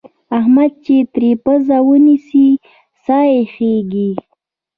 احمد چې تر پزه ونيسې؛ سا يې خېږي.